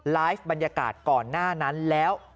ไลฟ์บรรยากาศก่อนหน้านั้นแล้ว